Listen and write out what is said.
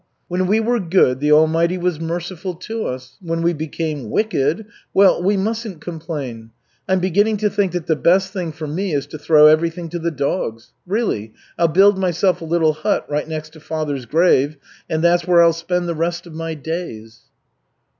When we were good, the Almighty was merciful to us; when we became wicked, well, we mustn't complain. I'm beginning to think that the best thing for me is to throw everything to the dogs. Really, I'll build myself a little hut right next to father's grave, and that's where I'll spend the rest of my days."